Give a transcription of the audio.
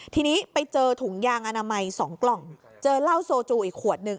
ทีนี้ไปเจอถุงยางอนามัย๒กล่องเจอเหล้าโซจูอีกขวดหนึ่ง